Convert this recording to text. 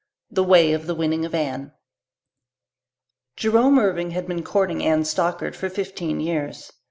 The Way of the Winning of Anne Jerome Irving had been courting Anne Stockard for fifteen years.